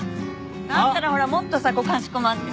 だったらほらもっとさかしこまって。